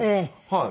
はい。